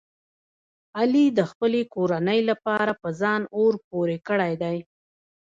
علي د خپلې کورنۍ لپاره په ځان اور پورې کړی دی.